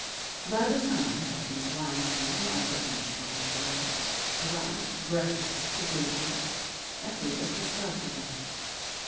By the time that Miss Weinstein, of the French lingeries, arrived, breathless, to greet her Effie was herself again.